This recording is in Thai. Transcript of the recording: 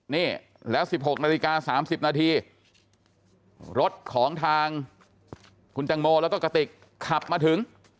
นี่แล้ว๑๖นาฬิกา๓๐นาทีรถของทางคุณตังโมแล้วก็กระติกขับมาถึง